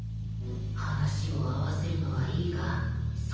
話を合わせるのはいいがそれだと